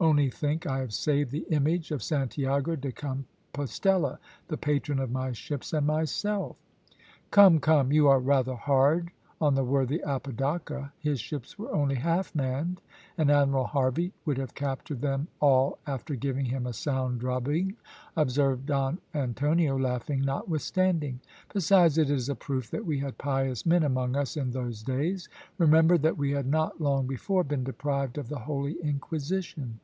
only think I have saved the image of Santiago de Compostella, the patron of my ships and myself.'" "Come, come, you are rather hard on the worthy Apodaca his ships were only half manned, and Admiral Harvey would have captured them all after giving him a sound drubbing," observed Don Antonio, laughing notwithstanding. "Besides it is a proof that we had pious men among us in those days. Remember that we had not long before been deprived of the holy Inquisition."